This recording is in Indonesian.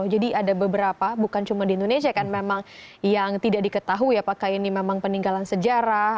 jadi ada beberapa bukan cuma di indonesia kan memang yang tidak diketahui apakah ini memang peninggalan sejarah